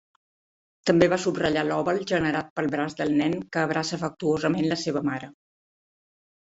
També va subratllar l'oval generat pel braç del nen, que abraça afectuosament la seva mare.